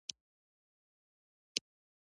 نر الفا هڅه کوي، چې د ډلې نظم وساتي.